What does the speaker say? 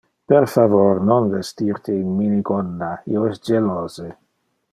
Per favor, non vestir te in minigonna, io es jelose.